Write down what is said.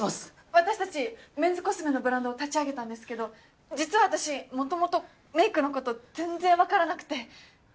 私たちメンズコスメのブランドを立ち上げたんですけど実は私元々メイクのこと全然分からなくて。